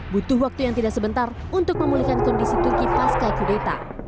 butuh waktu yang tidak sebentar untuk memulihkan kondisi turki pasca kudeta